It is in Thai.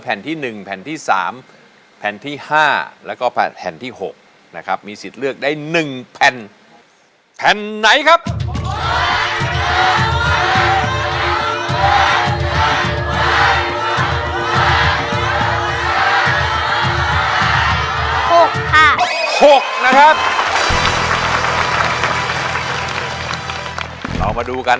เปลี่ยนเพลง